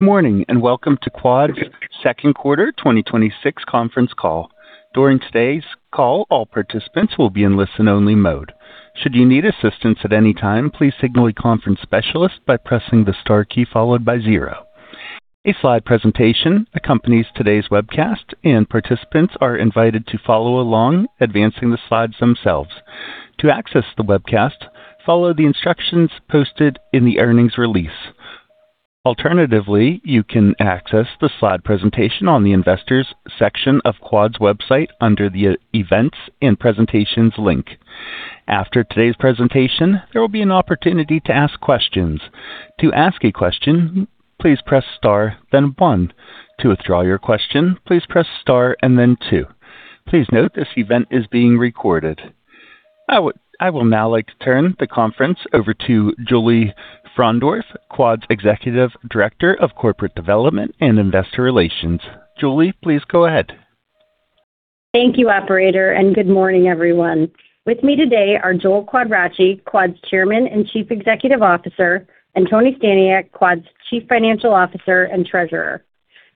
Good morning, and welcome to Quad's second quarter 2026 conference call. During today's call, all participants will be in listen-only mode. Should you need assistance at any time, please signal a conference specialist by pressing the star key followed by zero. A slide presentation accompanies today's webcast, and participants are invited to follow along, advancing the slides themselves. To access the webcast, follow the instructions posted in the earnings release. Alternatively, you can access the slide presentation on the Investors section of Quad's website under the Events and Presentations link. After today's presentation, there will be an opportunity to ask questions. To ask a question, please press star then one. To withdraw your question, please press star and then two. Please note this event is being recorded. I will now like to turn the conference over to Julie Fraundorf, Quad's Executive Director of Corporate Development and Investor Relations. Julie, please go ahead. Thank you, Operator. With me today are Joel Quadracci, Quad's Chairman and Chief Executive Officer, and Tony Staniak, Quad's Chief Financial Officer and Treasurer.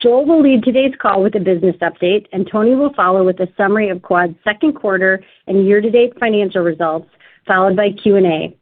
Joel will lead today's call with a business update, and Tony will follow with a summary of Quad's second quarter and year-to-date financial results, followed by Q&A.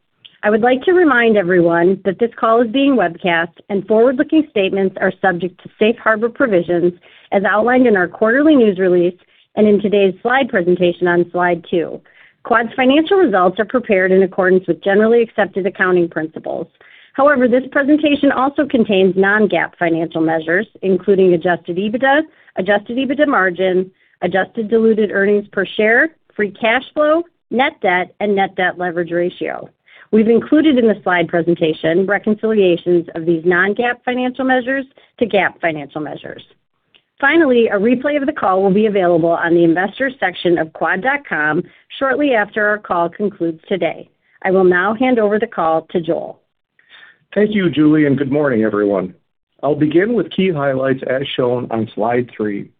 I would like to remind everyone that this call is being webcast, and forward-looking statements are subject to Safe Harbor provisions as outlined in our quarterly news release and in today's slide presentation on slide two. Quad's financial results are prepared in accordance with generally accepted accounting principles. However, this presentation also contains non-GAAP financial measures, including adjusted EBITDA, adjusted EBITDA margin, adjusted diluted earnings per share, free cash flow, net debt, and net debt leverage ratio. We've included in the slide presentation reconciliations of these non-GAAP financial measures to GAAP financial measures. Finally, a replay of the call will be available on the Investors section of quad.com shortly after our call concludes today. I will now hand over the call to Joel. Thank you, Julie, and good morning, everyone. I will begin with key highlights as shown on slide three.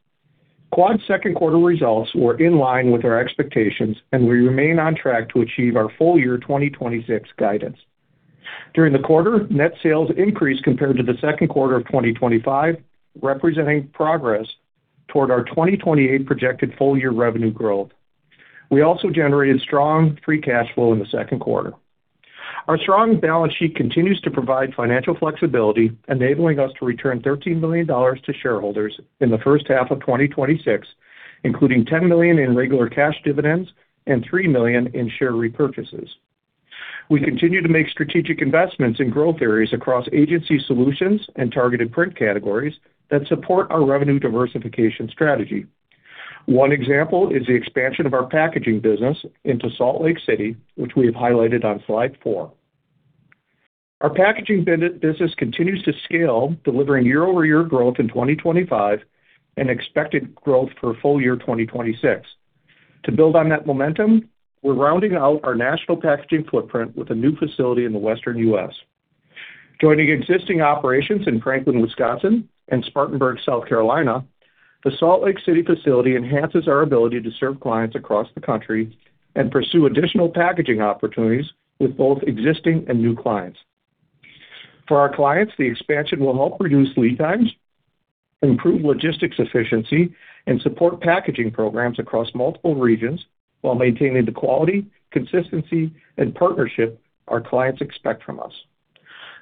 Quad's second quarter results were in line with our expectations. We remain on track to achieve our full year 2026 guidance. During the quarter, net sales increased compared to the second quarter of 2025, representing progress toward our 2028 projected full-year revenue growth. We also generated strong free cash flow in the second quarter. Our strong balance sheet continues to provide financial flexibility, enabling us to return $13 million to shareholders in the first half of 2026, including $10 million in regular cash dividends and $3 million in share repurchases. We continue to make strategic investments in growth areas across agency solutions and targeted print categories that support our revenue diversification strategy. One example is the expansion of our packaging business into Salt Lake City, which we have highlighted on slide four. Our packaging business continues to scale, delivering year-over-year growth in 2025 and expected growth for full year 2026. To build on that momentum, we are rounding out our national packaging footprint with a new facility in the Western U.S. Joining existing operations in Franklin, Wisconsin, and Spartanburg, South Carolina, the Salt Lake City facility enhances our ability to serve clients across the country and pursue additional packaging opportunities with both existing and new clients. For our clients, the expansion will help reduce lead times, improve logistics efficiency, and support packaging programs across multiple regions while maintaining the quality, consistency, and partnership our clients expect from us.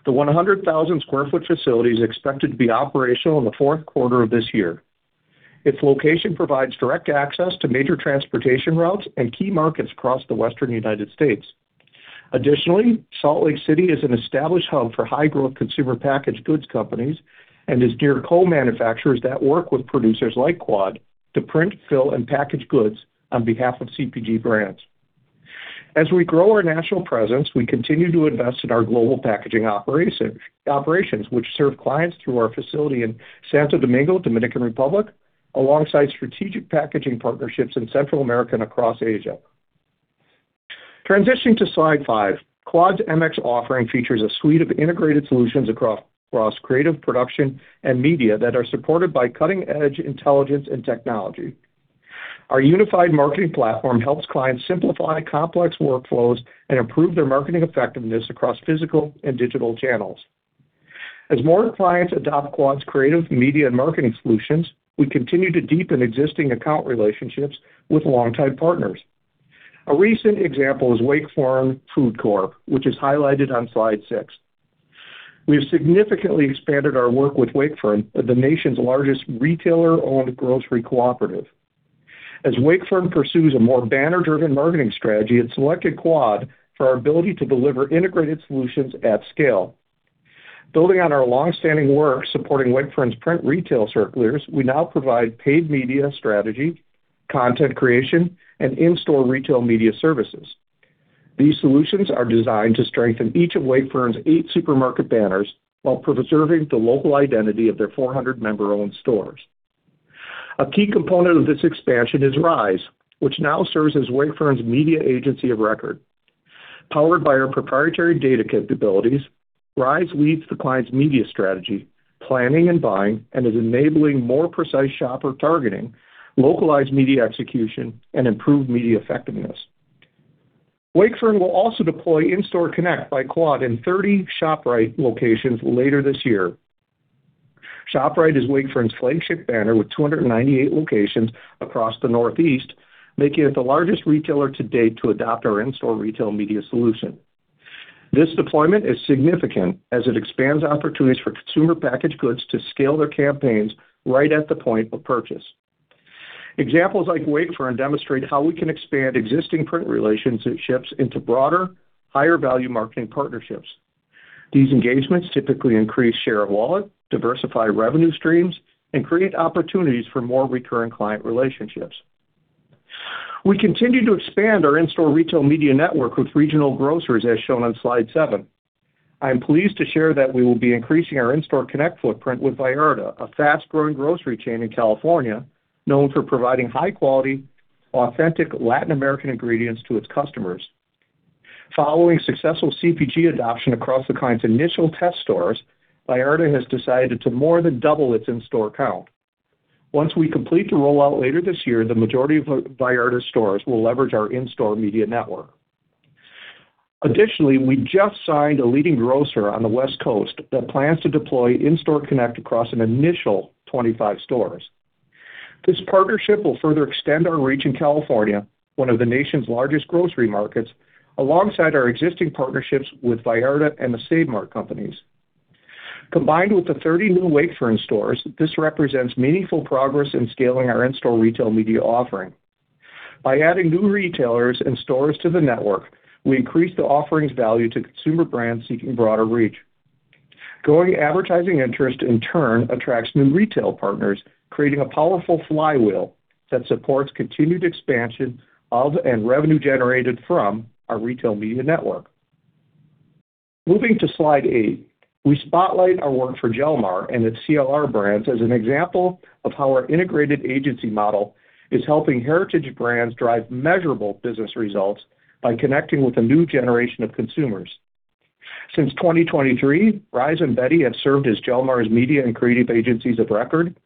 The 100,000 sq ft facility is expected to be operational in the fourth quarter of this year. Its location provides direct access to major transportation routes and key markets across the Western United States. Additionally, Salt Lake City is an established hub for high-growth consumer packaged goods companies and is near to co-manufacturers that work with producers like Quad to print, fill, and package goods on behalf of CPG brands. As we grow our national presence, we continue to invest in our global packaging operations, which serve clients through our facility in Santo Domingo, Dominican Republic, alongside strategic packaging partnerships in Central America and across Asia. Transitioning to slide five, Quad's MX offering features a suite of integrated solutions across creative production and media that are supported by cutting-edge intelligence and technology. Our unified marketing platform helps clients simplify complex workflows and improve their marketing effectiveness across physical and digital channels. As more clients adopt Quad's creative media and marketing solutions, we continue to deepen existing account relationships with longtime partners. A recent example is Wakefern Food Corp., which is highlighted on slide six. We have significantly expanded our work with Wakefern, the nation's largest retailer-owned grocery cooperative. As Wakefern pursues a more banner-driven marketing strategy, it selected Quad for our ability to deliver integrated solutions at scale. Building on our longstanding work supporting Wakefern's print retail circulars, we now provide paid media strategy, content creation, and in-store retail media services. These solutions are designed to strengthen each of Wakefern's eight supermarket banners while preserving the local identity of their 400 member-owned stores. A key component of this expansion is Rise, which now serves as Wakefern's media agency of record. Powered by our proprietary data capabilities, Rise leads the client's media strategy, planning and buying, and is enabling more precise shopper targeting, localized media execution, and improved media effectiveness. Wakefern will also deploy In-Store Connect by Quad in 30 ShopRite locations later this year. ShopRite is Wakefern's flagship banner with 298 locations across the Northeast, making it the largest retailer to date to adopt our In-Store Connect retail media solution. This deployment is significant as it expands opportunities for consumer packaged goods to scale their campaigns right at the point of purchase. Examples like Wakefern demonstrate how we can expand existing print relationships into broader, higher-value marketing partnerships. These engagements typically increase share of wallet, diversify revenue streams, and create opportunities for more recurring client relationships. We continue to expand our in-store retail media network with regional grocers, as shown on slide seven. I am pleased to share that we will be increasing our In-Store Connect footprint with Vallarta, a fast-growing grocery chain in California known for providing high-quality, authentic Latin American ingredients to its customers. Following successful CPG adoption across the client's initial test stores, Vallarta has decided to more than double its in-store count. Once we complete the rollout later this year, the majority of Vallarta stores will leverage our in-store media network. Additionally, we just signed a leading grocer on the West Coast that plans to deploy In-Store Connect across an initial 25 stores. This partnership will further extend our reach in California, one of the nation's largest grocery markets, alongside our existing partnerships with Vallarta and the Save Mart Companies. Combined with the 30 new Wakefern stores, this represents meaningful progress in scaling our in-store retail media offering. By adding new retailers and stores to the network, we increase the offering's value to consumer brands seeking broader reach. Growing advertising interest, in turn, attracts new retail partners, creating a powerful flywheel that supports continued expansion of and revenue generated from our retail media network. Moving to slide eight, we spotlight our work for Jelmar and its CLR brands as an example of how our integrated agency model is helping heritage brands drive measurable business results by connecting with a new generation of consumers. Since 2023, Rise and Betty have served as Jelmar's media and creative agencies of record,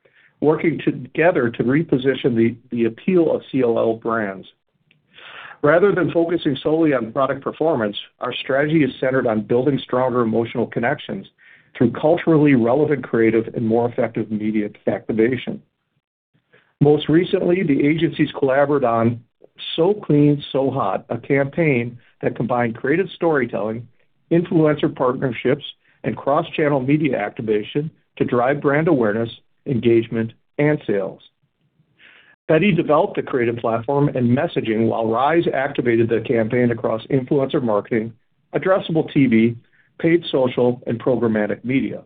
working together to reposition the appeal of CLR brands. Rather than focusing solely on product performance, our strategy is centered on building stronger emotional connections through culturally relevant creative and more effective media activation. Most recently, the agencies collaborated on So Clean. So Hot., a campaign that combined creative storytelling, influencer partnerships, and cross-channel media activation to drive brand awareness, engagement, and sales. Betty developed the creative platform and messaging while Rise activated the campaign across influencer marketing, addressable TV, paid social, and programmatic media.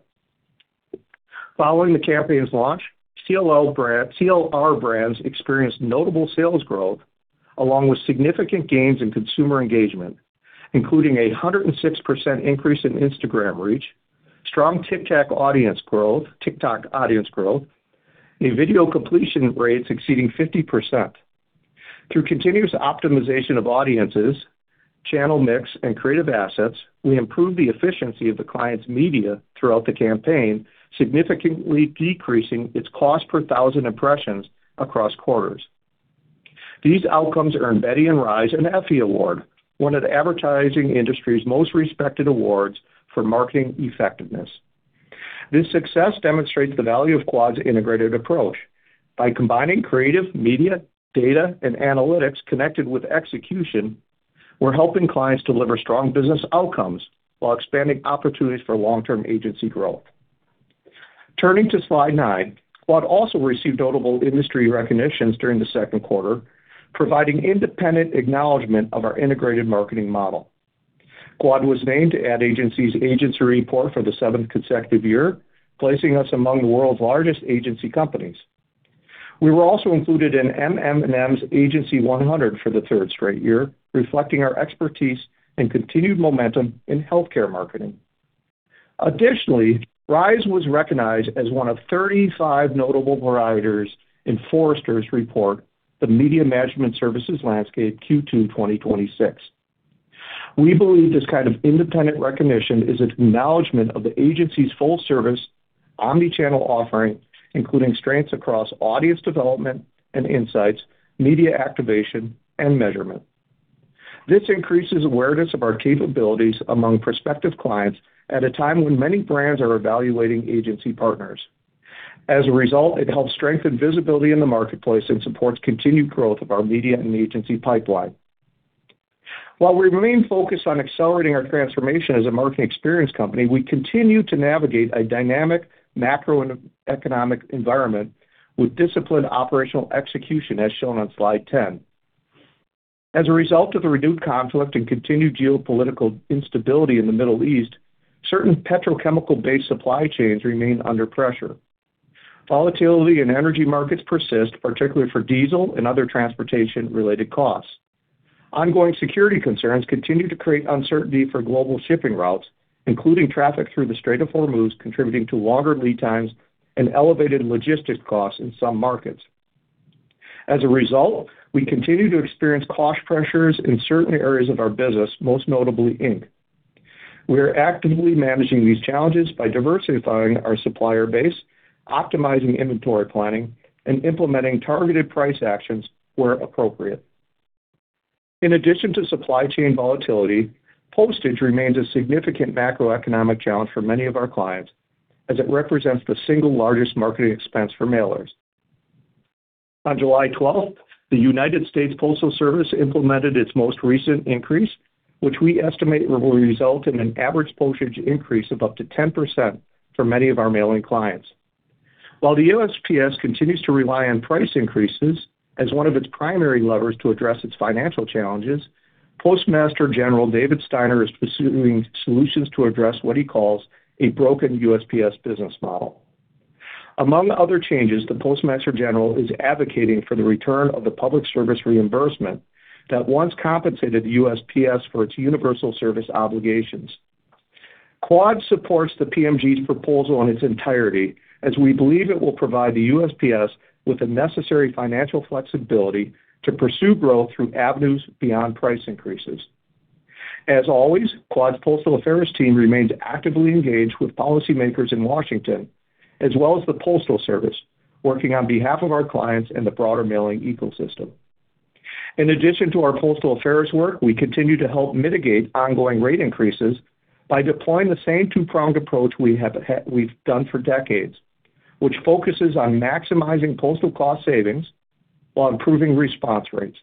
Following the campaign's launch, CLR brands experienced notable sales growth along with significant gains in consumer engagement, including a 106% increase in Instagram reach, strong TikTok audience growth, and video completion rates exceeding 50%. Through continuous optimization of audiences, channel mix, and creative assets, we improved the efficiency of the client's media throughout the campaign, significantly decreasing its cost per thousand impressions across quarters. These outcomes earned Betty & Rise an Effie Award, one of the advertising industry's most respected awards for marketing effectiveness. This success demonstrates the value of Quad's integrated approach. By combining creative media, data, and analytics connected with execution, we're helping clients deliver strong business outcomes while expanding opportunities for long-term agency growth. Turning to slide nine, Quad also received notable industry recognitions during the second quarter, providing independent acknowledgment of our integrated marketing model. Quad was named to Ad Age's Agency Report for the seventh consecutive year, placing us among the world's largest agency companies. We were also included in MM+M's agency 100 for the third straight year, reflecting our expertise and continued momentum in healthcare marketing. Additionally, Rise was recognized as one of 35 notable providers in Forrester's report, The Media Management Services Landscape: Q2 2026. We believe this kind of independent recognition is an acknowledgment of the agency's full-service, omnichannel offering, including strengths across audience development and insights, media activation, and measurement. This increases awareness of our capabilities among prospective clients at a time when many brands are evaluating agency partners. As a result, it helps strengthen visibility in the marketplace and supports continued growth of our media and agency pipeline. While we remain focused on accelerating our transformation as a marketing experience company, we continue to navigate a dynamic macroeconomic environment with disciplined operational execution, as shown on slide 10. As a result of the renewed conflict and continued geopolitical instability in the Middle East, certain petrochemical-based supply chains remain under pressure. Volatility in energy markets persist, particularly for diesel and other transportation-related costs. Ongoing security concerns continue to create uncertainty for global shipping routes, including traffic through the Strait of Hormuz, contributing to longer lead times and elevated logistics costs in some markets. As a result, we continue to experience cost pressures in certain areas of our business, most notably ink. We are actively managing these challenges by diversifying our supplier base, optimizing inventory planning, and implementing targeted price actions where appropriate. In addition to supply chain volatility, postage remains a significant macroeconomic challenge for many of our clients as it represents the single largest marketing expense for mailers. On July 12th, the United States Postal Service implemented its most recent increase, which we estimate will result in an average postage increase of up to 10% for many of our mailing clients. While the USPS continues to rely on price increases as one of its primary levers to address its financial challenges, Postmaster General David Steiner is pursuing solutions to address what he calls a broken USPS business model. Among other changes, the Postmaster General is advocating for the return of the public service reimbursement that once compensated USPS for its universal service obligations. Quad supports the PMG's proposal in its entirety, as we believe it will provide the USPS with the necessary financial flexibility to pursue growth through avenues beyond price increases. As always, Quad's Postal Affairs team remains actively engaged with policymakers in Washington, as well as the Postal Service, working on behalf of our clients and the broader mailing ecosystem. In addition to our Postal Affairs work, we continue to help mitigate ongoing rate increases by deploying the same two-pronged approach we've done for decades, which focuses on maximizing postal cost savings while improving response rates.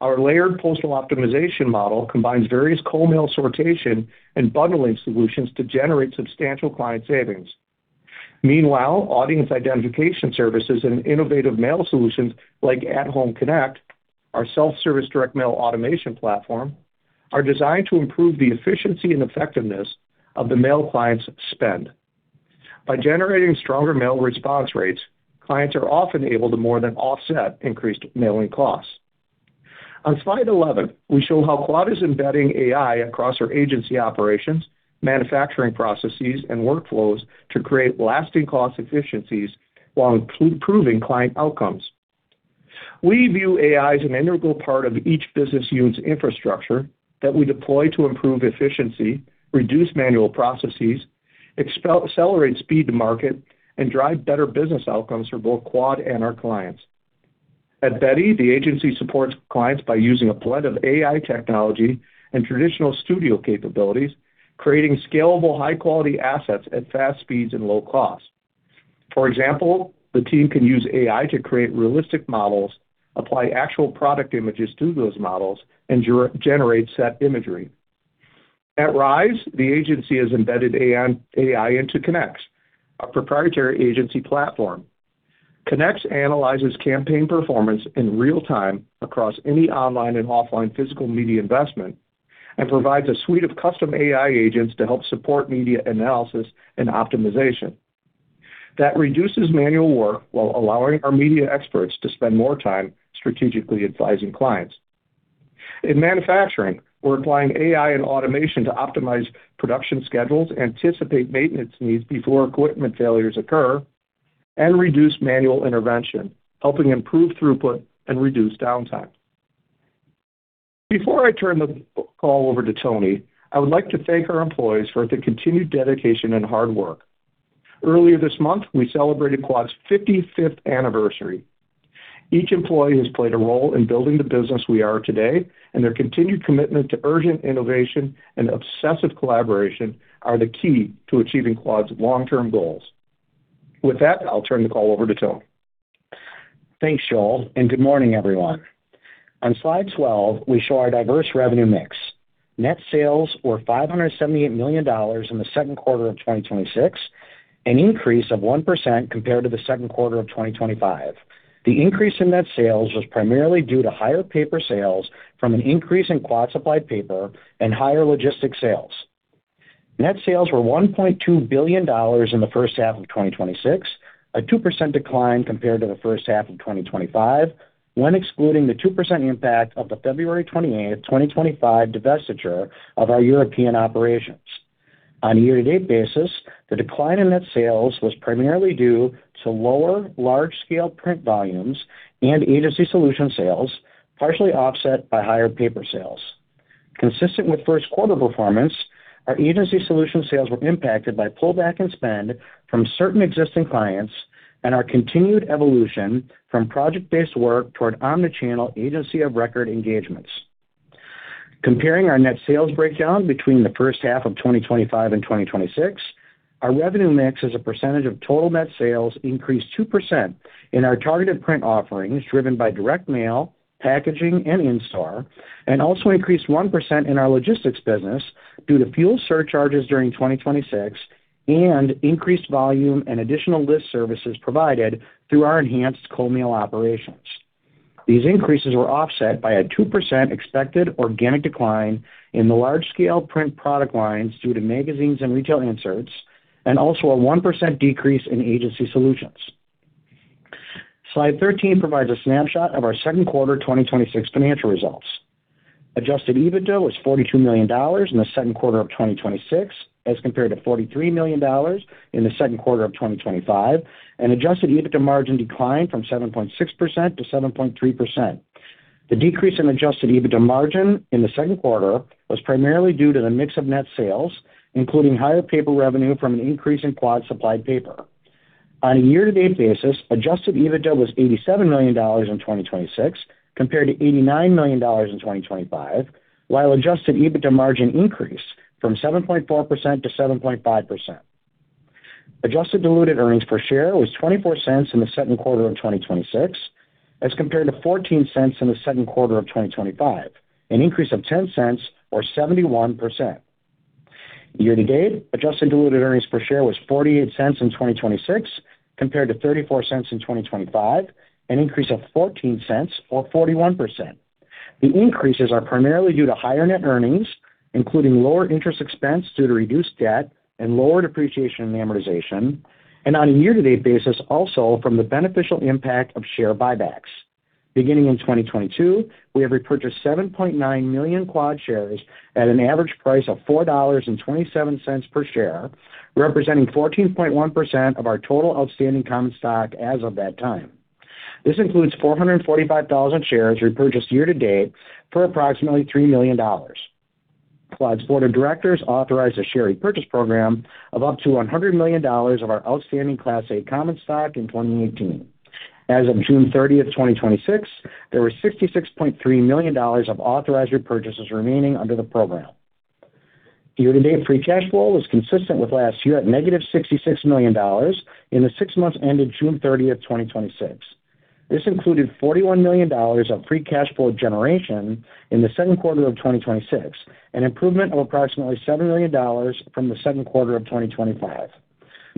Our layered postal optimization model combines various co-mail sortation and bundling solutions to generate substantial client savings. Meanwhile, audience identification services and innovative mail solutions like At-Home Connect, our self-service direct mail automation platform, are designed to improve the efficiency and effectiveness of the mail clients' spend. By generating stronger mail response rates, clients are often able to more than offset increased mailing costs. On slide 11, we show how Quad is embedding AI across our agency operations, manufacturing processes, and workflows to create lasting cost efficiencies while improving client outcomes. We view AI as an integral part of each business unit's infrastructure that we deploy to improve efficiency, reduce manual processes, accelerate speed to market, and drive better business outcomes for both Quad and our clients. At Betty, the agency supports clients by using a blend of AI technology and traditional studio capabilities, creating scalable, high-quality assets at fast speeds and low cost. For example, the team can use AI to create realistic models, apply actual product images to those models, and generate set imagery. At Rise, the agency has embedded AI into Connex, a proprietary agency platform. Connex analyzes campaign performance in real time across any online and offline physical media investment and provides a suite of custom AI agents to help support media analysis and optimization. That reduces manual work while allowing our media experts to spend more time strategically advising clients. In manufacturing, we're applying AI and automation to optimize production schedules, anticipate maintenance needs before equipment failures occur, and reduce manual intervention, helping improve throughput and reduce downtime. Before I turn the call over to Tony, I would like to thank our employees for their continued dedication and hard work. Earlier this month, we celebrated Quad's 55th anniversary. Each employee has played a role in building the business we are today, and their continued commitment to urgent innovation and obsessive collaboration are the key to achieving Quad's long-term goals. With that, I'll turn the call over to Tony. Thanks, Joel, good morning, everyone. On slide 12, we show our diverse revenue mix. Net sales were $578 million in the second quarter of 2026, an increase of 1% compared to the second quarter of 2025. The increase in net sales was primarily due to higher paper sales from an increase in Quad Supplied Paper and higher logistics sales. Net sales were $1.2 billion in the first half of 2026, a 2% decline compared to the first half of 2025, when excluding the 2% impact of the February 28, 2025, divestiture of our European operations. On a year-to-date basis, the decline in net sales was primarily due to lower large-scale print volumes and agency solution sales, partially offset by higher paper sales. Consistent with first quarter performance, our agency solution sales were impacted by pullback in spend from certain existing clients and our continued evolution from project-based work toward omni-channel agency of record engagements. Comparing our net sales breakdown between the first half of 2025 and 2026, our revenue mix as a percentage of total net sales increased 2% in our targeted print offerings, driven by direct mail, packaging, and install, also increased 1% in our logistics business due to fuel surcharges during 2026 and increased volume and additional list services provided through our enhanced co-mail operations. These increases were offset by a 2% expected organic decline in the large-scale print product lines due to magazines and retail inserts, also a 1% decrease in agency solutions. Slide 13 provides a snapshot of our second quarter 2026 financial results. Adjusted EBITDA was $42 million in the second quarter of 2026 as compared to $43 million in the second quarter of 2025, adjusted EBITDA margin declined from 7.6% to 7.3%. The decrease in adjusted EBITDA margin in the second quarter was primarily due to the mix of net sales, including higher paper revenue from an increase in Quad Supplied Paper. On a year-to-date basis, adjusted EBITDA was $87 million in 2026 compared to $89 million in 2025, while adjusted EBITDA margin increased from 7.4% to 7.5%. Adjusted diluted earnings per share was $0.24 in the second quarter of 2026 as compared to $0.14 in the second quarter of 2025, an increase of $0.10 or 71%. Year-to-date, adjusted diluted earnings per share was $0.48 in 2026 compared to $0.34 in 2025, an increase of $0.14 or 41%. The increases are primarily due to higher net earnings, including lower interest expense due to reduced debt and lower depreciation and amortization. On a year-to-date basis, also from the beneficial impact of share buybacks. Beginning in 2022, we have repurchased 7.9 million Quad shares at an average price of $4.27 per share, representing 14.1% of our total outstanding common stock as of that time. This includes 445,000 shares repurchased year-to-date for approximately $3 million. Quad's board of directors authorized a share repurchase program of up to $100 million of our outstanding Class A common stock in 2018. As of June 30th, 2026, there was $66.3 million of authorized repurchases remaining under the program. Year-to-date free cash flow was consistent with last year at -$66 million in the six months ended June 30th, 2026. This included $41 million of free cash flow generation in the second quarter of 2026, an improvement of approximately $7 million from the second quarter of 2025.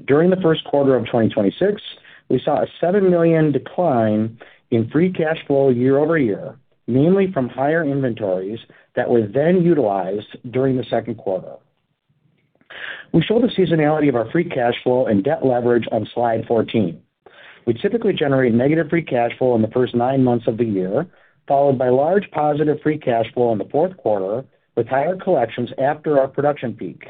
During the first quarter of 2026, we saw a $7 million decline in free cash flow year-over-year, mainly from higher inventories that were then utilized during the second quarter. We show the seasonality of our free cash flow and debt leverage on slide 14. We typically generate negative free cash flow in the first nine months of the year, followed by large positive free cash flow in the fourth quarter with higher collections after our production peak.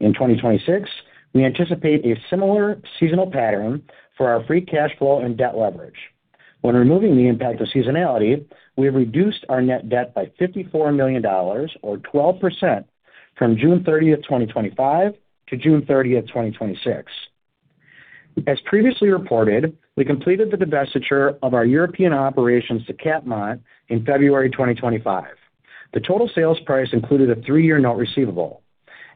In 2026, we anticipate a similar seasonal pattern for our free cash flow and debt leverage. When removing the impact of seasonality, we have reduced our net debt by $54 million or 12% from June 30th, 2025 to June 30th, 2026. As previously reported, we completed the divestiture of our European operations to Capmont in February 2025. The total sales price included a three-year note receivable.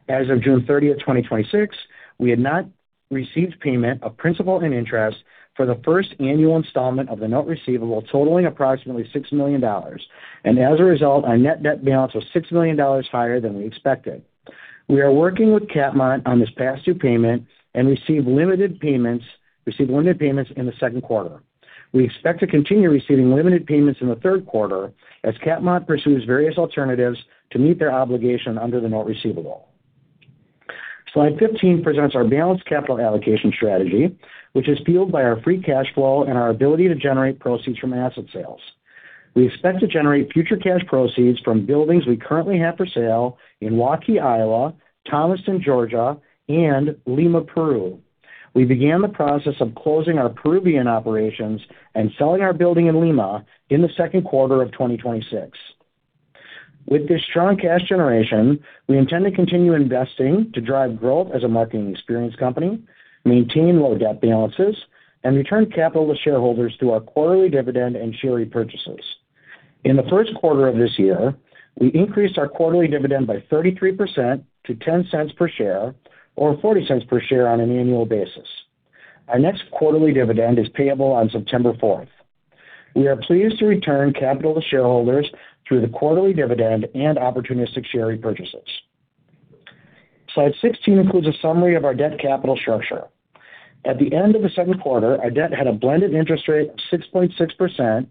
As of June 30th, 2026, we had not received payment of principal and interest for the first annual installment of the note receivable totaling approximately $6 million, and as a result, our net debt balance was $6 million higher than we expected. We are working with Capmont on this past due payment and received limited payments in the second quarter. We expect to continue receiving limited payments in the third quarter as Capmont pursues various alternatives to meet their obligation under the note receivable. Slide 15 presents our balanced capital allocation strategy, which is fueled by our free cash flow and our ability to generate proceeds from asset sales. We expect to generate future cash proceeds from buildings we currently have for sale in Waukee, Iowa, Thomaston, Georgia, and Lima, Peru. We began the process of closing our Peruvian operations and selling our building in Lima in the second quarter of 2026. With this strong cash generation, we intend to continue investing to drive growth as a marketing experience company, maintain low debt balances, and return capital to shareholders through our quarterly dividend and share repurchases. In the first quarter of this year, we increased our quarterly dividend by 33% to $0.10 per share, or $0.40 per share on an annual basis. Our next quarterly dividend is payable on September 4th. We are pleased to return capital to shareholders through the quarterly dividend and opportunistic share repurchases. Slide 16 includes a summary of our debt capital structure. At the end of the second quarter, our debt had a blended interest rate of 6.6%,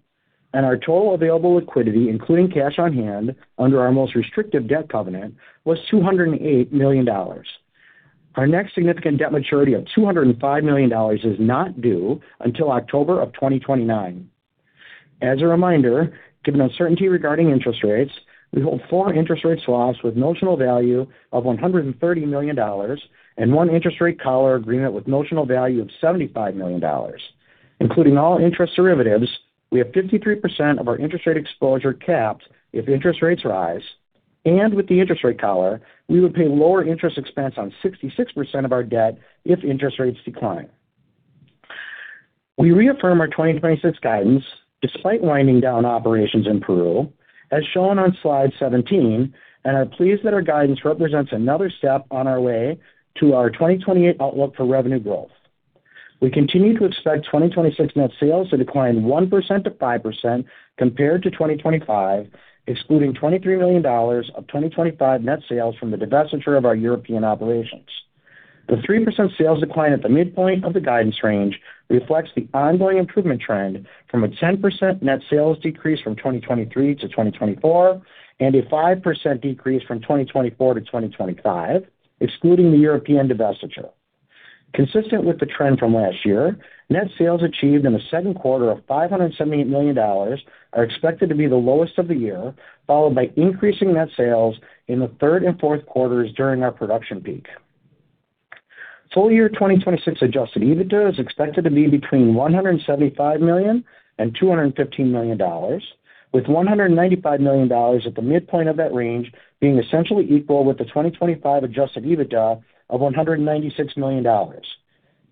and our total available liquidity, including cash on hand under our most restrictive debt covenant, was $208 million. Our next significant debt maturity of $205 million is not due until October of 2029. As a reminder, given uncertainty regarding interest rates, we hold four interest rate swaps with notional value of $130 million and one interest rate collar agreement with notional value of $75 million. Including all interest derivatives, we have 53% of our interest rate exposure capped if interest rates rise, and with the interest rate collar, we would pay lower interest expense on 66% of our debt if interest rates decline. We reaffirm our 2026 guidance despite winding down operations in Peru, as shown on Slide 17, and are pleased that our guidance represents another step on our way to our 2028 outlook for revenue growth. We continue to expect 2026 net sales to decline 1%-5% compared to 2025, excluding $23 million of 2025 net sales from the divestiture of our European operations. The 3% sales decline at the midpoint of the guidance range reflects the ongoing improvement trend from a 10% net sales decrease from 2023 to 2024 and a 5% decrease from 2024 to 2025, excluding the European divestiture. Consistent with the trend from last year, net sales achieved in the second quarter of $578 million are expected to be the lowest of the year, followed by increasing net sales in the third and fourth quarters during our production peak. Full year 2026 adjusted EBITDA is expected to be between $175 million and $215 million, with $195 million at the midpoint of that range being essentially equal with the 2025 adjusted EBITDA of $196 million.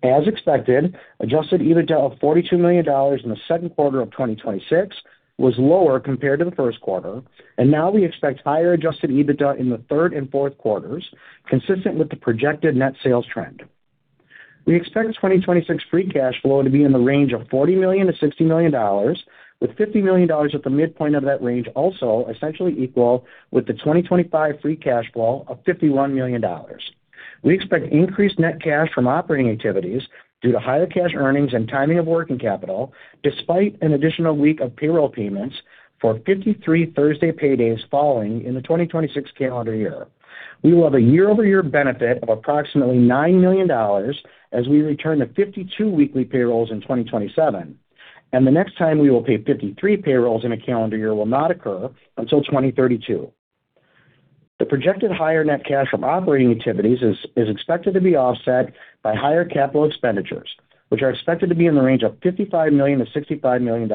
As expected, adjusted EBITDA of $42 million in the second quarter of 2026 was lower compared to the first quarter, and now we expect higher adjusted EBITDA in the third and fourth quarters, consistent with the projected net sales trend. We expect 2026 free cash flow to be in the range of $40 million-$60 million, with $50 million at the midpoint of that range also essentially equal with the 2025 free cash flow of $51 million. We expect increased net cash from operating activities due to higher cash earnings and timing of working capital, despite an additional week of payroll payments for 53 Thursday paydays falling in the 2026 calendar year. We will have a year-over-year benefit of approximately $9 million as we return to 52 weekly payrolls in 2027. The next time we will pay 53 payrolls in a calendar year will not occur until 2032. The projected higher net cash from operating activities is expected to be offset by higher capital expenditures, which are expected to be in the range of $55 million-$65 million.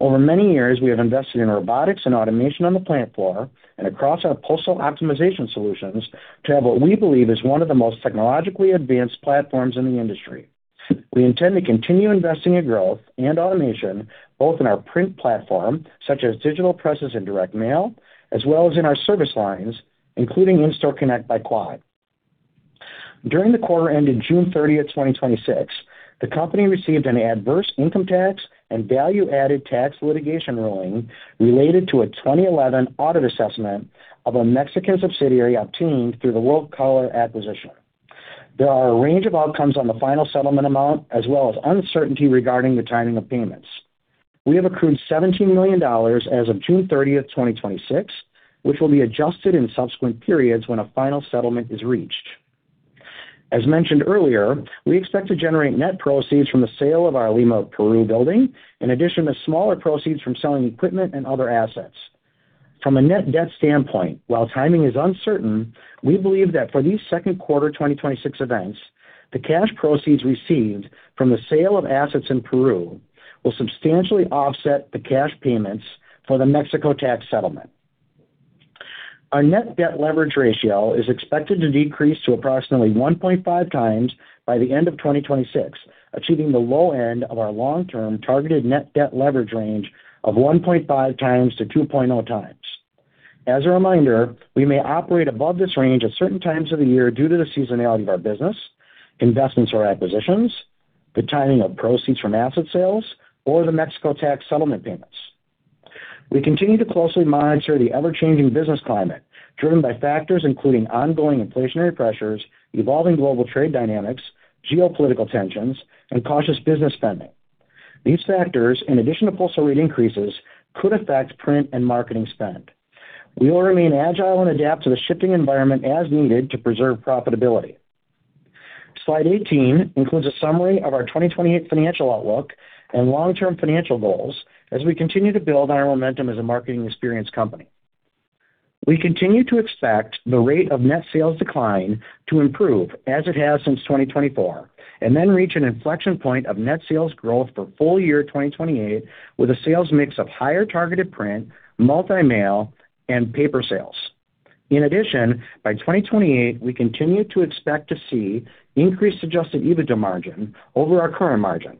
Over many years, we have invested in robotics and automation on the plant floor and across our postal optimization solutions to have what we believe is one of the most technologically advanced platforms in the industry. We intend to continue investing in growth and automation, both in our print platform, such as digital presses and direct mail, as well as in our service lines, including In-Store Connect by Quad. During the quarter ending June 30th, 2026, the company received an adverse income tax and value-added tax litigation ruling related to a 2011 audit assessment of a Mexican subsidiary obtained through the World Color acquisition. There are a range of outcomes on the final settlement amount, as well as uncertainty regarding the timing of payments. We have accrued $17 million as of June 30th, 2026, which will be adjusted in subsequent periods when a final settlement is reached. As mentioned earlier, we expect to generate net proceeds from the sale of our Lima, Peru building, in addition to smaller proceeds from selling equipment and other assets. From a net debt standpoint, while timing is uncertain, we believe that for these second quarter 2026 events, the cash proceeds received from the sale of assets in Peru will substantially offset the cash payments for the Mexico tax settlement. Our net debt leverage ratio is expected to decrease to approximately 1.5 times by the end of 2026, achieving the low end of our long-term targeted net debt leverage range of 1.5 times-2.0 times. As a reminder, we may operate above this range at certain times of the year due to the seasonality of our business, investments or acquisitions, the timing of proceeds from asset sales, or the Mexico tax settlement payments. We continue to closely monitor the ever-changing business climate driven by factors including ongoing inflationary pressures, evolving global trade dynamics, geopolitical tensions, and cautious business spending. These factors, in addition to postal rate increases, could affect print and marketing spend. We will remain agile and adapt to the shifting environment as needed to preserve profitability. Slide 18 includes a summary of our 2028 financial outlook and long-term financial goals as we continue to build on our momentum as a marketing experience company. We continue to expect the rate of net sales decline to improve as it has since 2024, then reach an inflection point of net sales growth for full year 2028 with a sales mix of higher targeted print, multi-mail, and paper sales. In addition, by 2028, we continue to expect to see increased adjusted EBITDA margin over our current margin.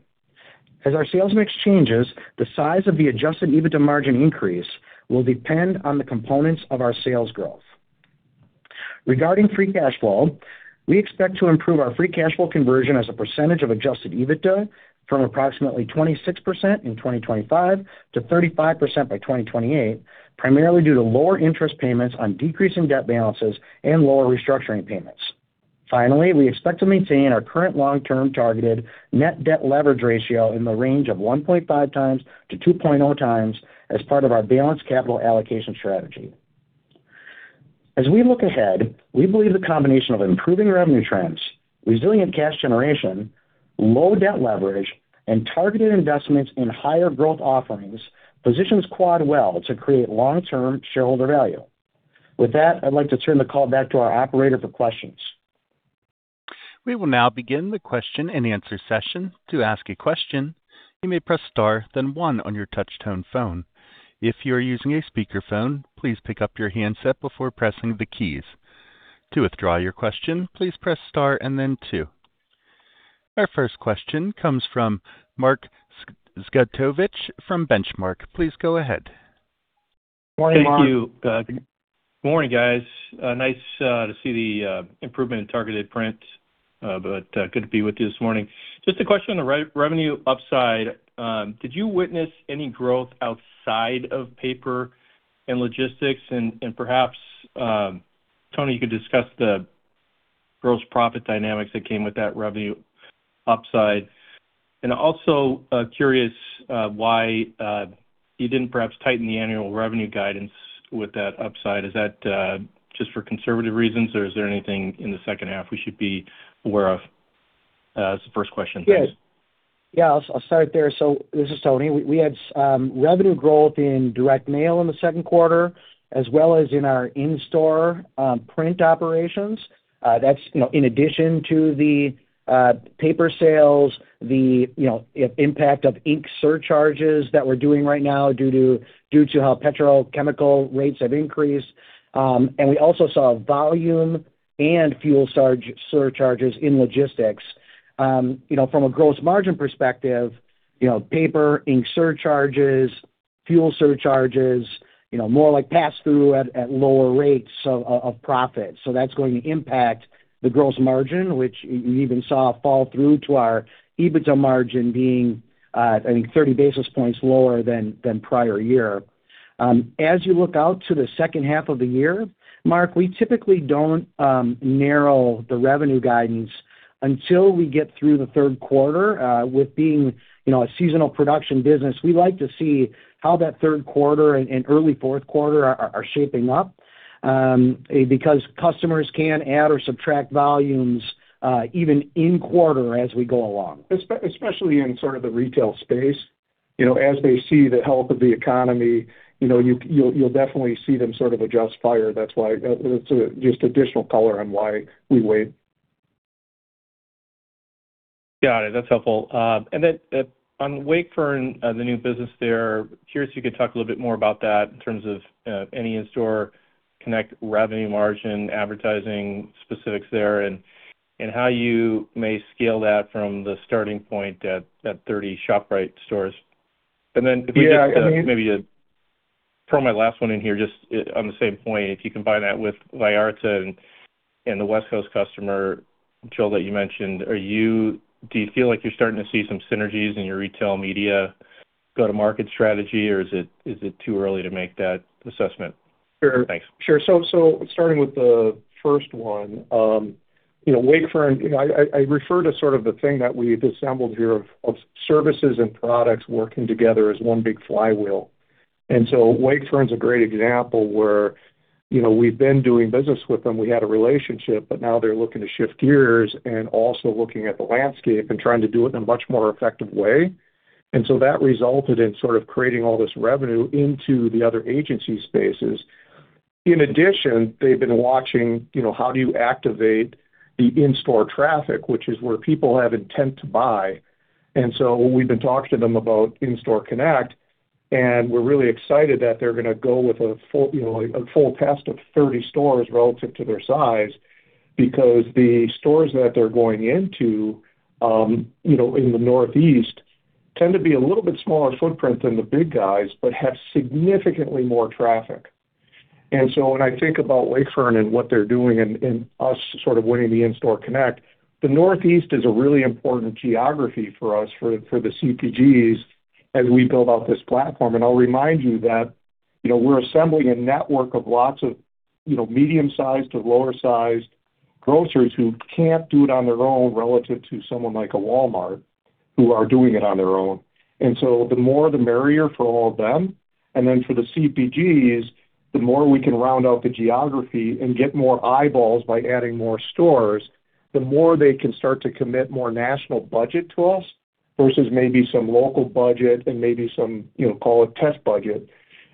As our sales mix changes, the size of the adjusted EBITDA margin increase will depend on the components of our sales growth. Regarding free cash flow, we expect to improve our free cash flow conversion as a percentage of adjusted EBITDA from approximately 26% in 2025 to 35% by 2028, primarily due to lower interest payments on decreasing debt balances and lower restructuring payments. Finally, we expect to maintain our current long-term targeted net debt leverage ratio in the range of 1.5 times-2.0 times as part of our balanced capital allocation strategy. As we look ahead, we believe the combination of improving revenue trends, resilient cash generation, low debt leverage, and targeted investments in higher growth offerings positions Quad well to create long-term shareholder value. With that, I'd like to turn the call back to our Operator for questions. We will now begin the question-and-answer session. To ask a question, you may press star, then one on your touch tone phone. If you are using a speakerphone, please pick up your handset before pressing the keys. To withdraw your question, please press star and then two. Our first question comes from Mark Zgutowicz from Benchmark. Please go ahead. Morning, Mark. Thank you. Morning, guys. Nice to see the improvement in targeted print, good to be with you this morning. Just a question on the revenue upside. Did you witness any growth outside of paper and logistics? Perhaps, Tony, you could discuss the gross profit dynamics that came with that revenue upside. Also curious why you didn't perhaps tighten the annual revenue guidance with that upside. Is that just for conservative reasons, or is there anything in the second half we should be aware of? That's the first question. Thanks. Good. Yeah, I'll start there. This is Tony. We had revenue growth in direct mail in the second quarter, as well as in our in-store print operations. That's in addition to the paper sales, the impact of ink surcharges that we're doing right now due to how petrochemical rates have increased. We also saw volume and fuel surcharges in logistics. From a gross margin perspective, paper, ink surcharges, fuel surcharges, more like pass-through at lower rates of profit. That's going to impact the gross margin, which you even saw fall through to our EBITDA margin being, I think, 30 basis points lower than prior year. As you look out to the second half of the year, Mark, we typically don't narrow the revenue guidance until we get through the third quarter. With being a seasonal production business, we like to see how that third quarter and early fourth quarter are shaping up, because customers can add or subtract volumes even in quarter as we go along. Especially in sort of the retail space, as they see the health of the economy, you'll definitely see them sort of adjust fire. That's why it's just additional color on why we wait. Got it. That's helpful. On Wakefern, the new business there, curious if you could talk a little bit more about that in terms of any In-Store Connect revenue margin, advertising specifics there, and how you may scale that from the starting point at 30 ShopRite stores. If we could just- Yeah Maybe throw my last one in here, just on the same point. If you combine that with Vallarta and the West Coast customer, Joel, that you mentioned, do you feel like you're starting to see some synergies in your retail media go-to-market strategy or is it too early to make that assessment? Sure. Thanks. Sure. Starting with the first one, Wakefern, I refer to sort of the thing that we've assembled here of services and products working together as one big flywheel. Wakefern's a great example where we've been doing business with them. We had a relationship, but now they're looking to shift gears and also looking at the landscape and trying to do it in a much more effective way. That resulted in sort of creating all this revenue into the other agency spaces. In addition, they've been watching how do you activate the in-store traffic, which is where people have intent to buy. We've been talking to them about In-Store Connect, and we're really excited that they're going to go with a full test of 30 stores relative to their size because the stores that they're going into in the Northeast tend to be a little bit smaller footprint than the big guys, but have significantly more traffic. When I think about Wakefern and what they're doing and us sort of winning the In-Store Connect, the Northeast is a really important geography for us for the CPGs as we build out this platform. I'll remind you that we're assembling a network of lots of medium-sized to lower-sized grocers who can't do it on their own relative to someone like a Walmart who are doing it on their own. The more the merrier for all of them. For the CPGs, the more we can round out the geography and get more eyeballs by adding more stores, the more they can start to commit more national budget to us versus maybe some local budget and maybe some call it test budget.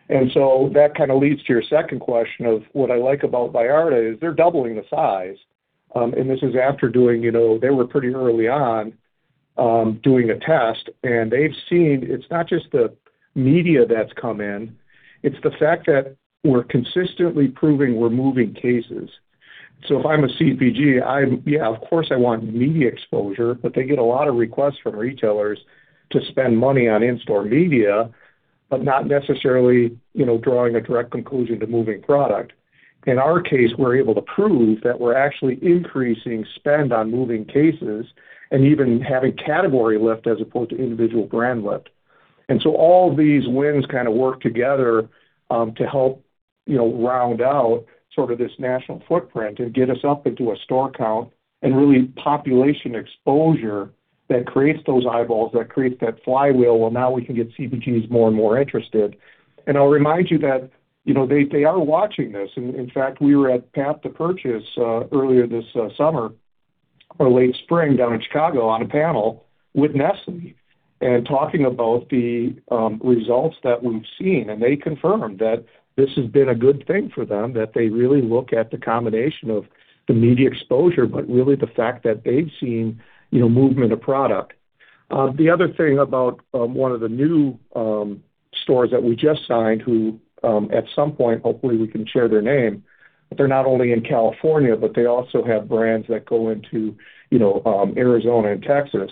That kind of leads to your second question of what I like about Vallarta is they're doubling the size. This is after they were pretty early on doing a test, and they've seen it's not just the media that's come in, it's the fact that we're consistently proving we're moving cases. If I'm a CPG, yeah, of course, I want media exposure, but they get a lot of requests from retailers to spend money on in-store media, but not necessarily drawing a direct conclusion to moving product. In our case, we're able to prove that we're actually increasing spend on moving cases and even having category lift as opposed to individual brand lift. All these wins kind of work together to help round out sort of this national footprint and get us up into a store count and really population exposure that creates those eyeballs, that creates that flywheel where now we can get CPGs more and more interested. I'll remind you that they are watching this. In fact, we were at Path to Purchase earlier this summer or late spring down in Chicago on a panel with Nestlé and talking about the results that we've seen, and they confirmed that this has been a good thing for them, that they really look at the combination of the media exposure, but really the fact that they've seen movement of product. The other thing about one of the new stores that we just signed, who at some point, hopefully, we can share their name, but they're not only in California, but they also have brands that go into Arizona and Texas.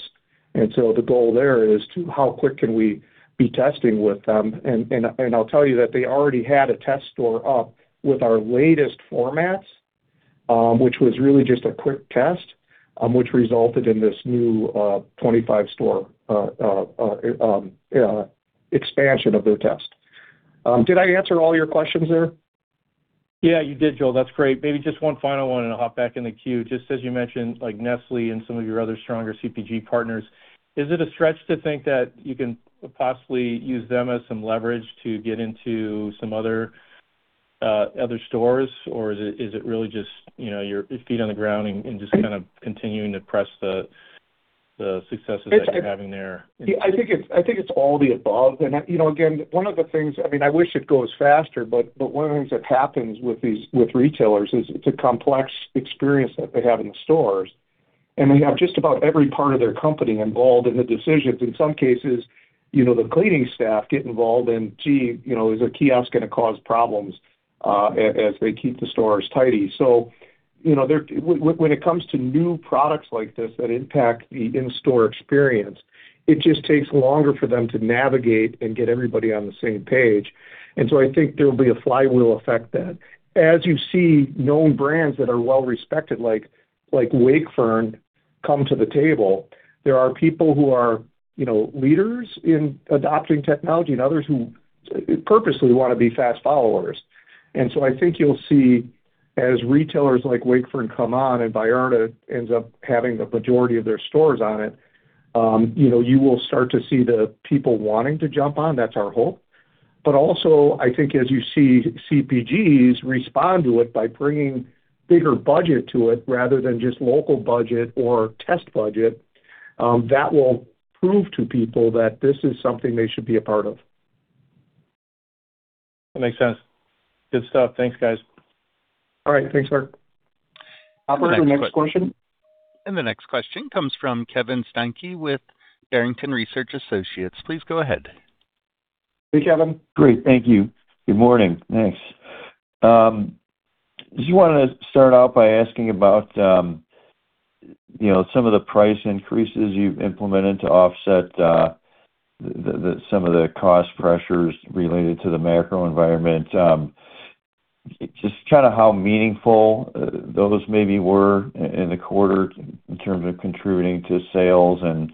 The goal there is how quick can we be testing with them? I'll tell you that they already had a test store up with our latest formats, which was really just a quick test, which resulted in this new 25 store expansion of their test. Did I answer all your questions there? Yeah, you did, Joel. That's great. Maybe just one final one, I'll hop back in the queue. Just as you mentioned, like Nestlé and some of your other stronger CPG partners, is it a stretch to think that you can possibly use them as some leverage to get into some other stores, or is it really just your feet on the ground and just kind of continuing to press the successes that you're having there? Yeah, I think it's all the above. Again, one of the things, I wish it goes faster, but one of the things that happens with retailers is it's a complex experience that they have in the stores, and they have just about every part of their company involved in the decisions. In some cases, the cleaning staff get involved in, gee, is a kiosk going to cause problems as they keep the stores tidy? When it comes to new products like this that impact the in-store experience, it just takes longer for them to navigate and get everybody on the same page. I think there'll be a flywheel effect then. As you see known brands that are well-respected like Wakefern come to the table, there are people who are leaders in adopting technology and others who purposely want to be fast followers. I think you'll see as retailers like Wakefern come on and Vallarta ends up having the majority of their stores on it, you will start to see the people wanting to jump on. That's our hope. Also, I think as you see CPGs respond to it by bringing bigger budget to it rather than just local budget or test budget, that will prove to people that this is something they should be a part of. That makes sense. Good stuff. Thanks, guys. All right. Thanks, Mark. Operator, next question. The next question comes from Kevin Steinke with Barrington Research Associates. Please go ahead. Hey, Kevin. Great. Thank you. Good morning. Thanks. Just wanted to start out by asking about some of the price increases you've implemented to offset some of the cost pressures related to the macro environment. Just kind of how meaningful those maybe were in the quarter in terms of contributing to sales and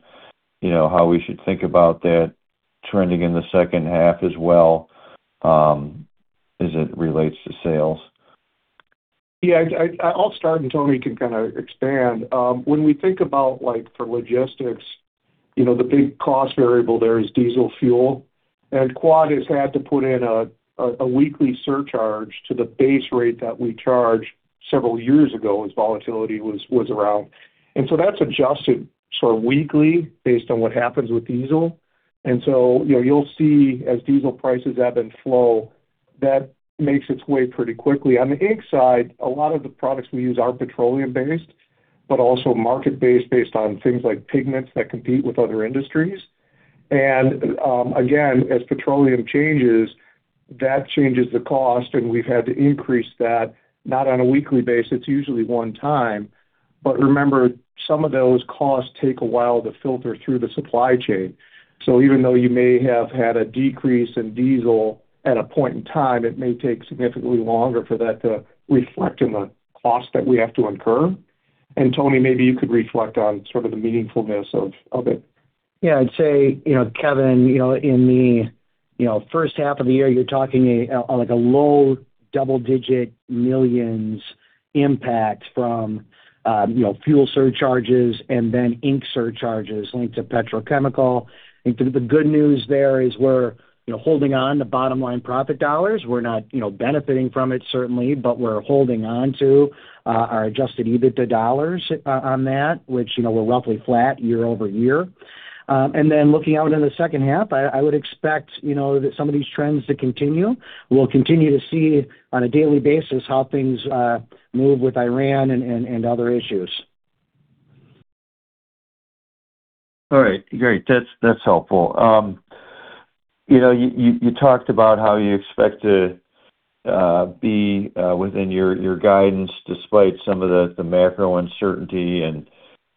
how we should think about that trending in the second half as well, as it relates to sales. Yeah. I'll start, Tony can kind of expand. When we think about, like for logistics, the big cost variable there is diesel fuel. Quad has had to put in a weekly surcharge to the base rate that we charged several years ago as volatility was around. That's adjusted sort of weekly based on what happens with diesel. You'll see as diesel prices ebb and flow, that makes its way pretty quickly. On the ink side, a lot of the products we use are petroleum-based, but also market-based, based on things like pigments that compete with other industries. Again, as petroleum changes, that changes the cost, and we've had to increase that, not on a weekly basis, it's usually one time. Remember, some of those costs take a while to filter through the supply chain. Even though you may have had a decrease in diesel at a point in time, it may take significantly longer for that to reflect in the cost that we have to incur. Tony, maybe you could reflect on sort of the meaningfulness of it. Yeah, I'd say, Kevin, in the first half of the year, you're talking like a low double-digit millions impact from fuel surcharges and then ink surcharges linked to petrochemical. I think the good news there is we're holding on to bottom-line profit dollars. We're not benefiting from it, certainly, but we're holding on to our adjusted EBITDA dollars on that, which were roughly flat year-over-year. Looking out into the second half, I would expect that some of these trends to continue. We'll continue to see on a daily basis how things move with Iran and other issues. All right, great. That's helpful. You talked about how you expect to be within your guidance despite some of the macro uncertainty,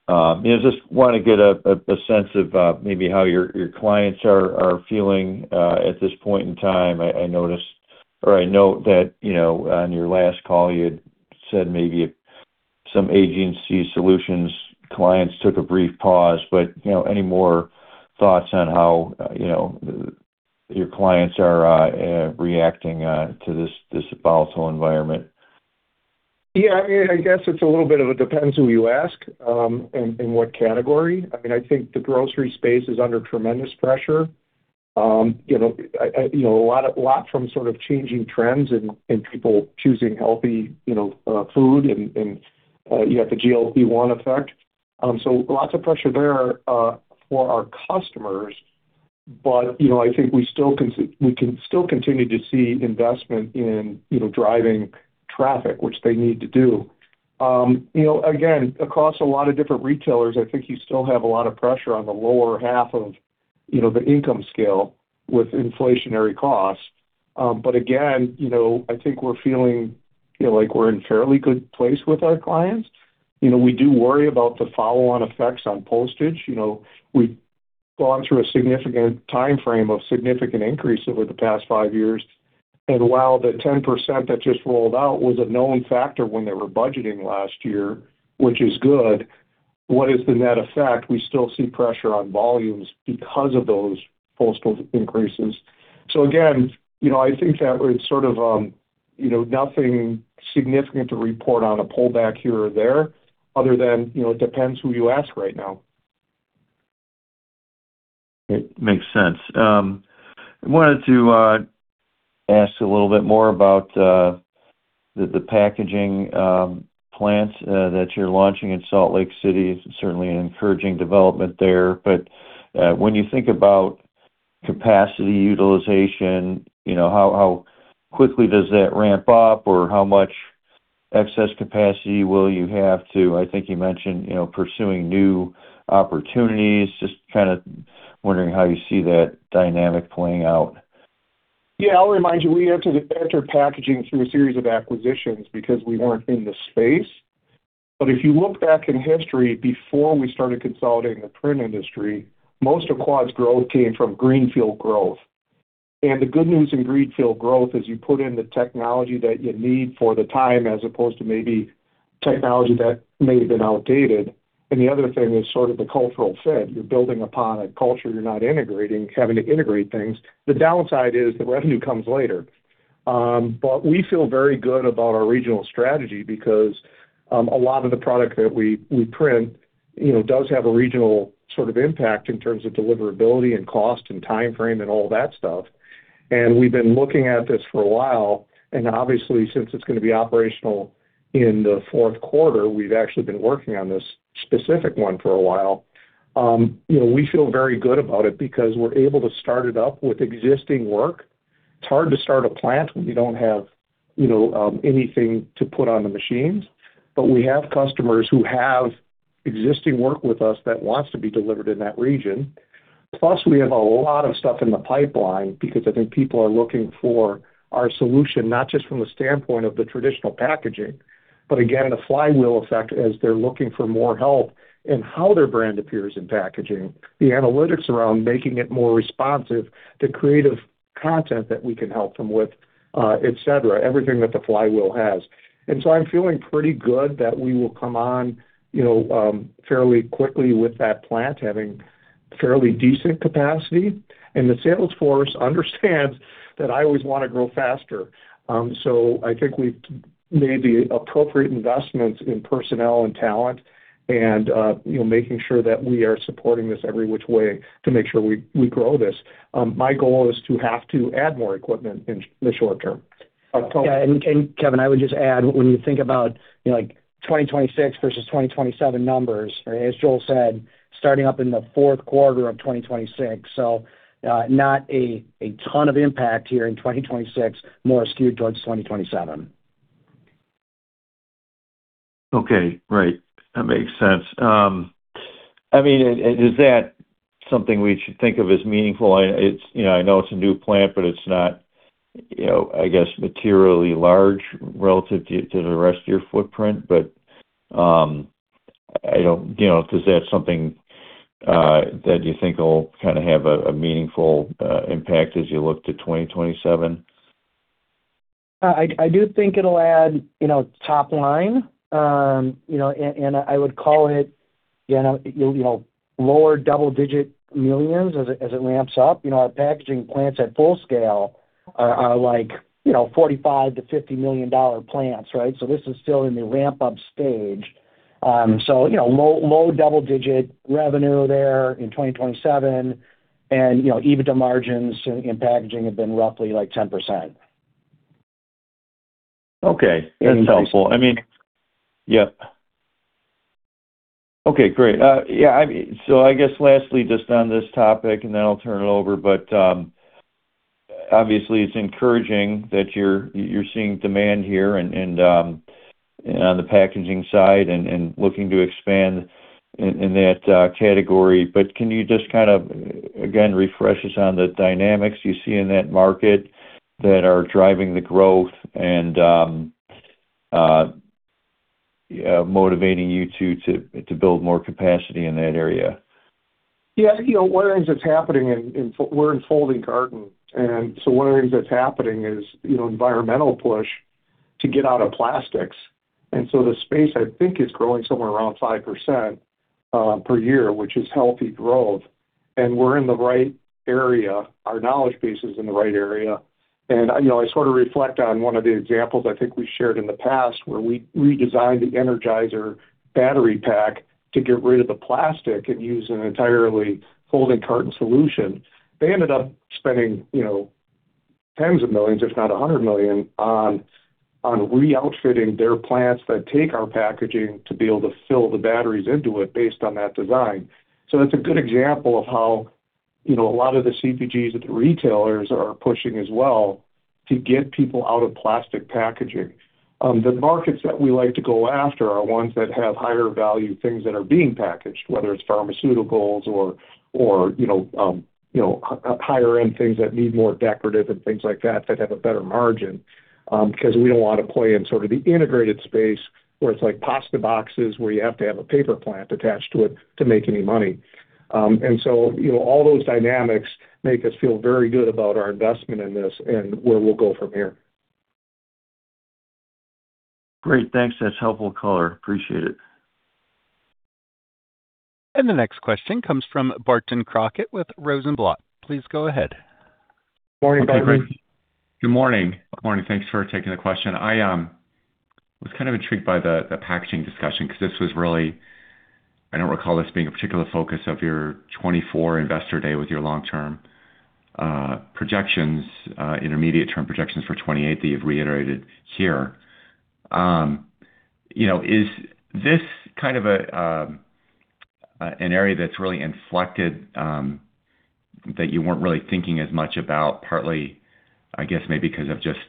I just want to get a sense of maybe how your clients are feeling at this point in time. I notice, or I note that on your last call, you had said maybe some agency solutions clients took a brief pause, any more thoughts on how your clients are reacting to this volatile environment? Yeah. I guess it's a little bit of a depends who you ask, and what category. I think the grocery space is under tremendous pressure. A lot from sort of changing trends and people choosing healthy food, and you have the GLP-1 effect. Lots of pressure there for our customers. I think we can still continue to see investment in driving traffic, which they need to do. Again, across a lot of different retailers, I think you still have a lot of pressure on the lower half of the income scale with inflationary costs. Again, I think we're feeling like we're in fairly good place with our clients. We do worry about the follow-on effects on postage. We've gone through a significant time frame of significant increase over the past five years. While the 10% that just rolled out was a known factor when they were budgeting last year, which is good, what is the net effect? We still see pressure on volumes because of those postal increases. Again, I think that it's sort of nothing significant to report on a pullback here or there other than it depends who you ask right now. It makes sense. I wanted to ask a little bit more about the packaging plants that you're launching in Salt Lake City. It's certainly an encouraging development there. When you think about capacity utilization, how quickly does that ramp up or how much excess capacity will you have to, I think you mentioned, pursuing new opportunities. Just kind of wondering how you see that dynamic playing out. Yeah. I'll remind you, we entered packaging through a series of acquisitions because we weren't in the space. If you look back in history, before we started consolidating the print industry, most of Quad's growth came from greenfield growth. The good news in greenfield growth is you put in the technology that you need for the time as opposed to maybe technology that may have been outdated. The other thing is sort of the cultural fit. You're building upon a culture, you're not integrating, having to integrate things. The downside is the revenue comes later. We feel very good about our regional strategy because a lot of the product that we print does have a regional sort of impact in terms of deliverability and cost and timeframe and all that stuff. We've been looking at this for a while, and obviously, since it's going to be operational in the fourth quarter, we've actually been working on this specific one for a while. We feel very good about it because we're able to start it up with existing work. It's hard to start a plant when you don't have anything to put on the machines. We have customers who have existing work with us that wants to be delivered in that region. Plus, we have a lot of stuff in the pipeline because I think people are looking for our solution, not just from the standpoint of the traditional packaging, but again, the flywheel effect as they're looking for more help in how their brand appears in packaging, the analytics around making it more responsive to creative content that we can help them with, et cetera, everything that the flywheel has. I'm feeling pretty good that we will come on fairly quickly with that plant having fairly decent capacity. The sales force understands that I always want to grow faster. I think we've made the appropriate investments in personnel and talent and making sure that we are supporting this every which way to make sure we grow this. My goal is to have to add more equipment in the short term. Yeah. Kevin, I would just add, when you think about 2026 versus 2027 numbers, as Joel said, starting up in the fourth quarter of 2026. Not a ton of impact here in 2026, more skewed towards 2027. Okay. Right. That makes sense. Is that something we should think of as meaningful? I know it's a new plant, but it's not, I guess, materially large relative to the rest of your footprint. Is that something that you think will kind of have a meaningful impact as you look to 2027? I do think it'll add top line. I would call it lower double-digit millions as it ramps up. Our packaging plants at full scale are $45 million-$50 million plants, right? This is still in the ramp-up stage. Low double-digit revenue there in 2027, and EBITDA margins in packaging have been roughly 10%. Okay. That's helpful. Yeah. Okay, great. I guess lastly, just on this topic, and then I'll turn it over. Obviously it's encouraging that you're seeing demand here and on the packaging side and looking to expand in that category. Can you just kind of, again, refresh us on the dynamics you see in that market that are driving the growth and motivating you to build more capacity in that area? Yeah. One of the things that's happening, we're in folding carton. One of the things that's happening is environmental push to get out of plastics. The space, I think, is growing somewhere around 5% per year, which is healthy growth. We're in the right area. Our knowledge base is in the right area. I sort of reflect on one of the examples I think we shared in the past, where we redesigned the Energizer battery pack to get rid of the plastic and use an entirely folding carton solution. They ended up spending tens of millions, if not $100 million, on re-outfitting their plants that take our packaging to be able to fill the batteries into it based on that design. That's a good example of how a lot of the CPGs that the retailers are pushing as well to get people out of plastic packaging. The markets that we like to go after are ones that have higher value things that are being packaged, whether it's pharmaceuticals or higher-end things that need more decorative and things like that that have a better margin. Because we don't want to play in sort of the integrated space where it's like pasta boxes, where you have to have a paper plant attached to it to make any money. All those dynamics make us feel very good about our investment in this and where we'll go from here. Great. Thanks. That's helpful color. Appreciate it. The next question comes from Barton Crockett with Rosenblatt. Please go ahead. Morning, Barton. Good morning. Thanks for taking the question. I was kind of intrigued by the packaging discussion, because this was really, I don't recall this being a particular focus of your 2024 Investor Day with your long-term projections, intermediate term projections for 2028 that you've reiterated here. Is this kind of an area that's really inflected, that you weren't really thinking as much about partly, I guess maybe because of just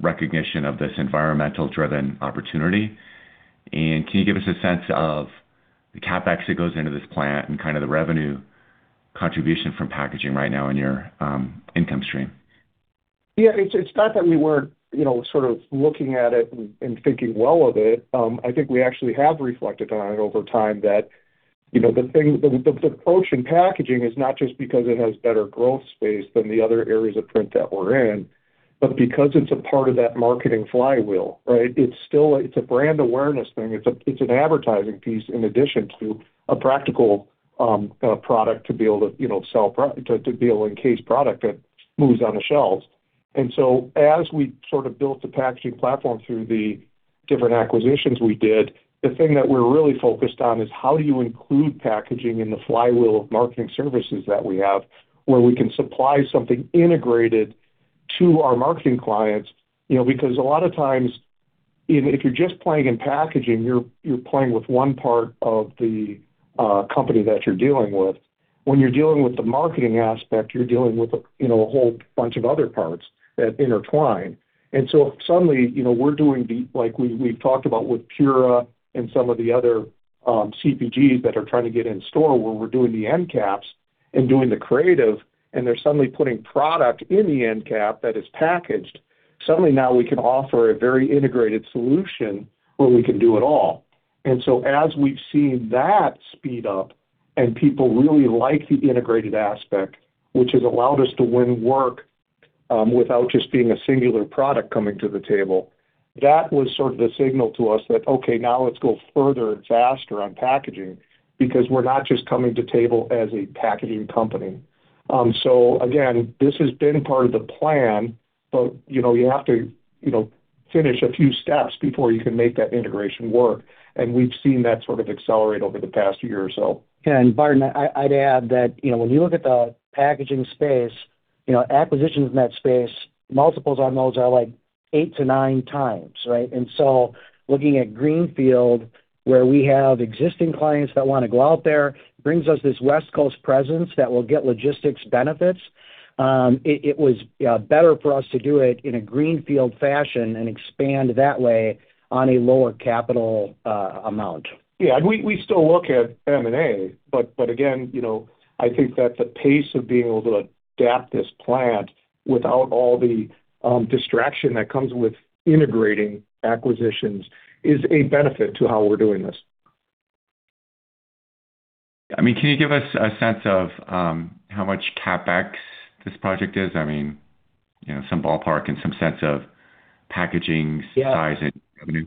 recognition of this environmental-driven opportunity? Can you give us a sense of the CapEx that goes into this plant and kind of the revenue contribution from packaging right now in your income stream? It's not that we weren't sort of looking at it and thinking well of it. I think we actually have reflected on it over time that the approach in packaging is not just because it has better growth space than the other areas of print that we're in, but because it's a part of that marketing flywheel, right? It's a brand awareness thing. It's an advertising piece in addition to a practical product to be able to encase product that moves on the shelves. As we sort of built the packaging platform through the different acquisitions we did, the thing that we're really focused on is how you include packaging in the flywheel of marketing services that we have, where we can supply something integrated to our marketing clients. Because a lot of times, if you're just playing in packaging, you're playing with one part of the company that you're dealing with. When you're dealing with the marketing aspect, you're dealing with a whole bunch of other parts that intertwine. Suddenly, we're doing the, like we've talked about with Pura and some of the other CPGs that are trying to get in store where we're doing the end caps and doing the creative, and they're suddenly putting product in the end cap that is packaged. Suddenly now we can offer a very integrated solution where we can do it all. As we've seen that speed up and people really like the integrated aspect, which has allowed us to win work, without just being a singular product coming to the table, that was sort of the signal to us that, okay, now let's go further and faster on packaging because we're not just coming to table as a packaging company. Again, this has been part of the plan, but you have to finish a few steps before you can make that integration work. We've seen that sort of accelerate over the past year or so. Barton, I'd add that when you look at the packaging space, acquisitions in that space, multiples on those are like eight to nine times, right? Looking at Greenfield, where we have existing clients that want to go out there, brings us this West Coast presence that will get logistics benefits. It was better for us to do it in a Greenfield fashion and expand that way on a lower capital amount. Yeah. We still look at M&A, but again, I think that the pace of being able to adapt this plant without all the distraction that comes with integrating acquisitions is a benefit to how we're doing this. Can you give us a sense of how much CapEx this project is? Yeah Size and revenue?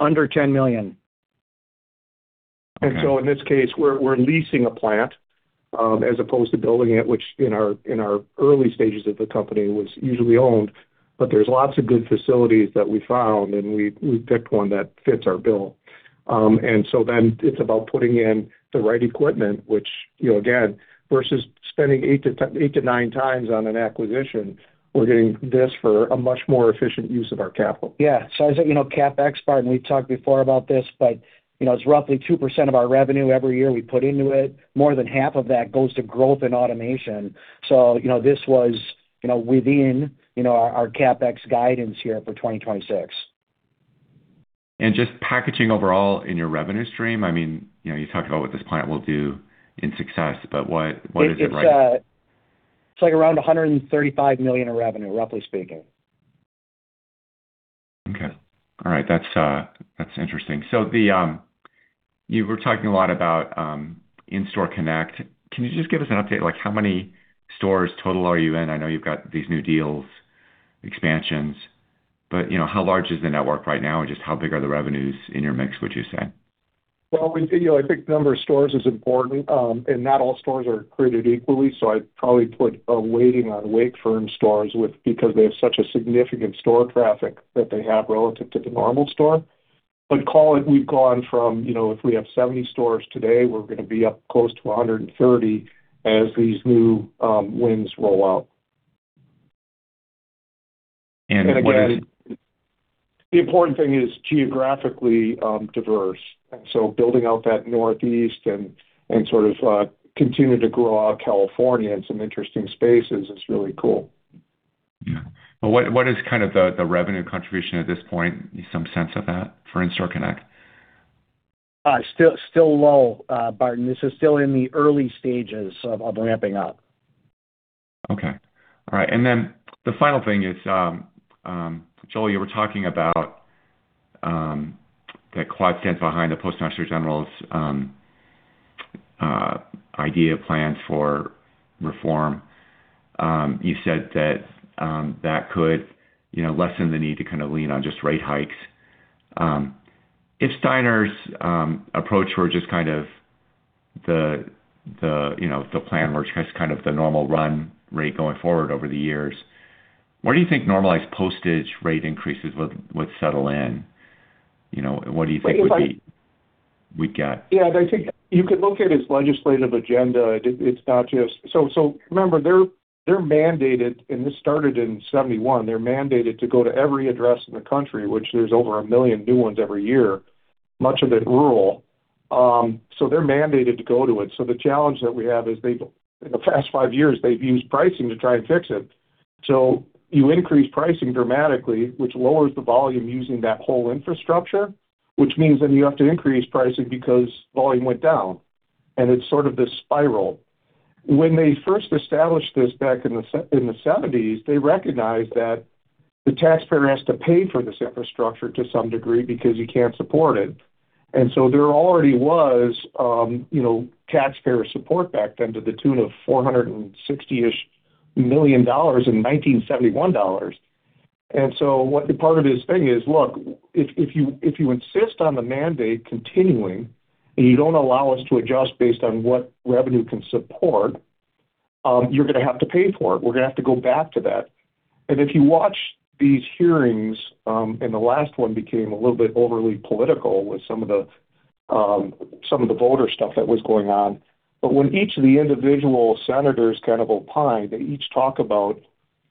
Under $10 million. Okay. In this case, we're leasing a plant, as opposed to building it, which in our early stages of the company was usually owned, but there's lots of good facilities that we found, and we picked one that fits our bill. It's about putting in the right equipment, which, again, versus spending eight to nine times on an acquisition, we're getting this for a much more efficient use of our capital. Yeah. Size of CapEx, Barton, we've talked before about this, but it's roughly 2% of our revenue every year we put into it. More than half of that goes to growth and automation. This was within our CapEx guidance here for 2026. Just packaging overall in your revenue stream, you talked about what this plant will do in success, but what is it? It's like around $135 million in revenue, roughly speaking. Okay. All right. That's interesting. You were talking a lot about In-Store Connect. Can you just give us an update, like how many stores total are you in? I know you've got these new deals, expansions, but how large is the network right now, and just how big are the revenues in your mix, would you say? Well, I think the number of stores is important, and not all stores are created equally. I'd probably put a weighting on Wakefern stores because they have such a significant store traffic that they have relative to the normal store. Call it we've gone from, if we have 70 stores today, we're going to be up close to 130 as these new wins roll out. What are the Again, the important thing is geographically diverse. Building out that Northeast and sort of continue to grow out California in some interesting spaces is really cool. What is kind of the revenue contribution at this point? Some sense of that for In-Store Connect. Still low, Barton. This is still in the early stages of ramping up. Okay. All right. The final thing is, Joel, you were talking about that Quad stands behind the Postmaster General's idea plans for reform. You said that that could lessen the need to kind of lean on just rate hikes. If Steiner's approach were just kind of the plan where it's kind of the normal run rate going forward over the years. Where do you think normalized postage rate increases would settle in? What do you think would be- If I- We'd get? Yeah, I think you could look at his legislative agenda. It's not just. Remember, they're mandated, and this started in 1971, they're mandated to go to every address in the country, which there's over a million new ones every year, much of it rural. They're mandated to go to it. The challenge that we have is they've, in the past five years, they've used pricing to try and fix it. You increase pricing dramatically, which lowers the volume using that whole infrastructure, which means then you have to increase pricing because volume went down, and it's sort of this spiral. When they first established this back in the 1970s, they recognized that the taxpayer has to pay for this infrastructure to some degree because you can't support it. There already was taxpayer support back then to the tune of $460 million in 1971 dollars. What part of his thing is, look, if you insist on the mandate continuing and you don't allow us to adjust based on what revenue can support, you're going to have to pay for it. We're going to have to go back to that. If you watch these hearings, and the last one became a little bit overly political with some of the voter stuff that was going on. When each of the individual senators kind of opine, they each talk about,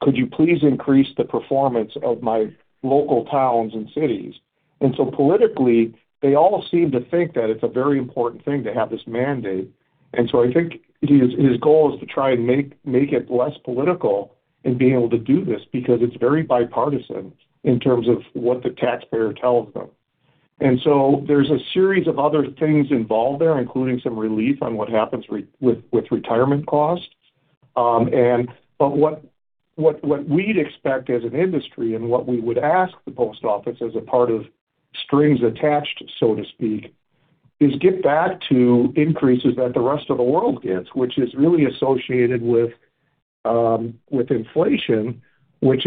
Could you please increase the performance of my local towns and cities? Politically, they all seem to think that it's a very important thing to have this mandate. I think his goal is to try and make it less political in being able to do this because it's very bipartisan in terms of what the taxpayer tells them. There's a series of other things involved there, including some relief on what happens with retirement costs. What we'd expect as an industry and what we would ask the Post Office as a part of strings attached, so to speak, is get back to increases that the rest of the world gets, which is really associated with inflation, which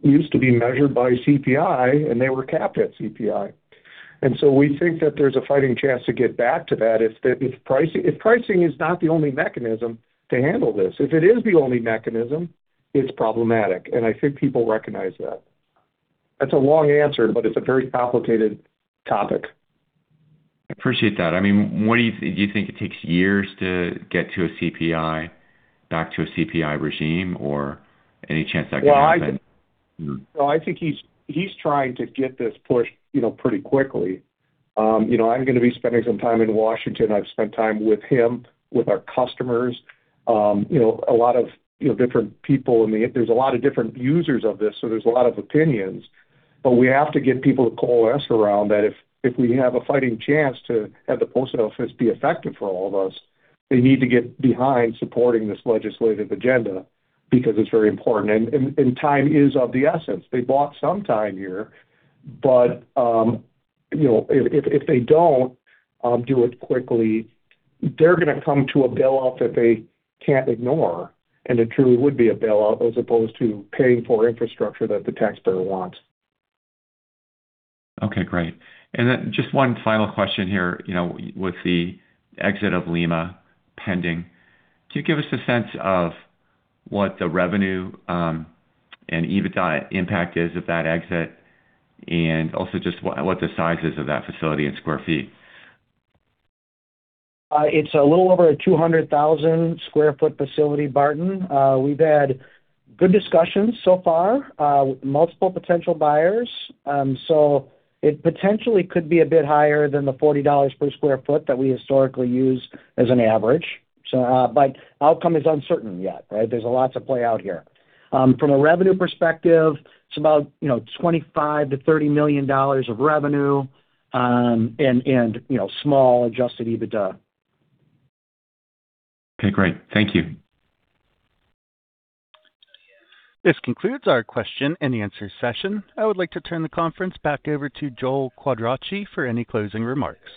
used to be measured by CPI, and they were capped at CPI. We think that there's a fighting chance to get back to that if pricing is not the only mechanism to handle this. If it is the only mechanism, it's problematic, and I think people recognize that. That's a long answer, but it's a very complicated topic. Appreciate that. Do you think it takes years to get to a CPI, back to a CPI regime, or any chance that could happen? I think he's trying to get this pushed pretty quickly. I'm going to be spending some time in Washington. I've spent time with him, with our customers, a lot of different people. There's a lot of different users of this, there's a lot of opinions. We have to get people to coalesce around that if we have a fighting chance to have the Post Office be effective for all of us, they need to get behind supporting this legislative agenda because it's very important. Time is of the essence. They bought some time here, if they don't do it quickly, they're going to come to a bailout that they can't ignore, and it truly would be a bailout as opposed to paying for infrastructure that the taxpayer wants. Okay, great. Just one final question here. With the exit of Lima pending, could you give us a sense of what the revenue and EBITDA impact is of that exit and also just what the size is of that facility in square feet? It's a little over a 200,000 sq ft facility, Barton. We've had good discussions so far, multiple potential buyers. It potentially could be a bit higher than the $40 per square foot that we historically use as an average. Outcome is uncertain yet, right? There's a lot to play out here. From a revenue perspective, it's about $25 million-$30 million of revenue, and small adjusted EBITDA. Okay, great. Thank you. This concludes our question-and-answer session. I would like to turn the conference back over to Joel Quadracci for any closing remarks.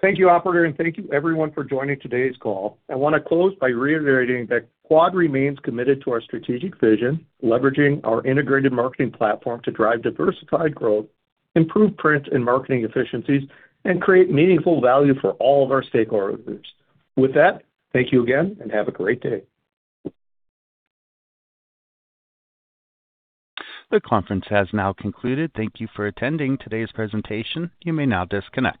Thank you, operator, and thank you everyone for joining today's call. I want to close by reiterating that Quad remains committed to our strategic vision, leveraging our integrated marketing platform to drive diversified growth, improve print and marketing efficiencies, and create meaningful value for all of our stakeholder groups. With that, thank you again, and have a great day. The conference has now concluded. Thank you for attending today's presentation. You may now disconnect.